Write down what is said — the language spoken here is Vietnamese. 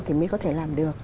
thì mới có thể làm được